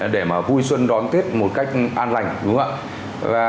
để mà vui xuân đón tết một cách an lành đúng không ạ